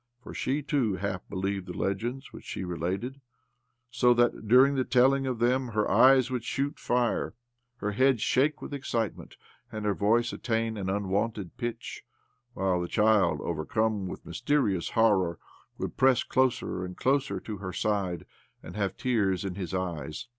For she too half believed the legends which she related; so that, during the telling of them, her eyes would shoot fire, her head shake with excite ment, and her voice attain an unwonted OBLOMOV 1 1 5 pitch, while the child, overcome with mys terious horror, would press closer arid' closer to her side, arid have tears in his eyes.